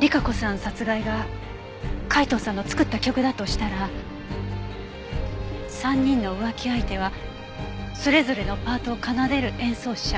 莉華子さん殺害が海東さんの作った曲だとしたら３人の浮気相手はそれぞれのパートを奏でる演奏者。